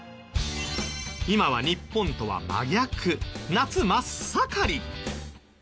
今は日本とは真逆夏真っ盛り。